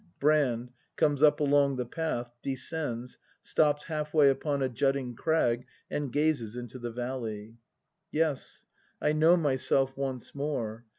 ] Brand. [Comes up along the path, descends, stops half way upon a jutting crag, and gazes into the valley.] Yes, I know myself once more!